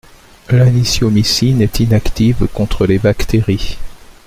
L'anisomycine est inactive contre les bactéries.